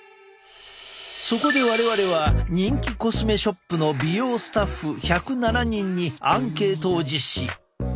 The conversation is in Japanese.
そこで我々は人気コスメショップの美容スタッフ１０７人にアンケートを実施。